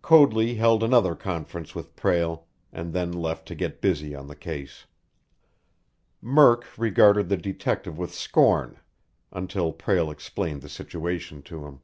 Coadley held another conference with Prale, and then left to get busy on the case. Murk regarded the detective with scorn, until Prale explained the situation to him.